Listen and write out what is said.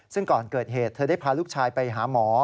ซึ่งก่อนเกิดเหตุเธอได้พาลูกชายไปหาหมอ